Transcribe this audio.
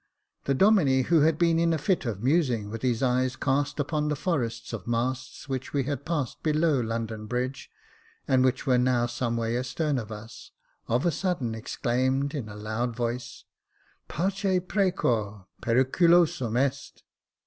The Domine, who had been in a fit of musing, with his eyes cast upon the forests of masts which we had passed below London Bridge, and which were now some way astern of us, of a sudden exclaimed, in a loud voice, ^^ Parce precor I Perictilosum est!''